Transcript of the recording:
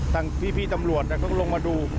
ท่านพี่ตำรวจเนี่ยทำลงมาดู